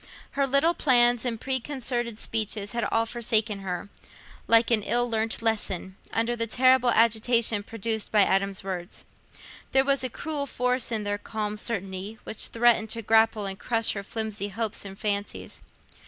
Her little plans and preconcerted speeches had all forsaken her, like an ill learnt lesson, under the terrible agitation produced by Adam's words. There was a cruel force in their calm certainty which threatened to grapple and crush her flimsy hopes and fancies.